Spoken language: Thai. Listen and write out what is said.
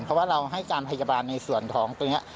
เพราะว่าเราให้การพยาบาลในส่วนของตรงนี้